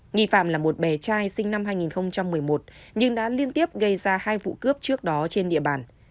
nghi phạm là một bé trai sinh năm hai nghìn một mươi một nhưng đã liên tiếp gây ra hai vụ cướp trước đó trên địa bàn